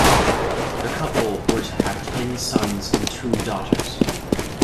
The couple were to have ten sons and two daughters.